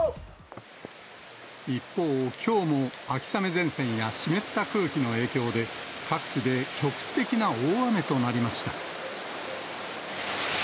一方、きょうも秋雨前線や湿った空気の影響で、各地で局地的な大雨となりました。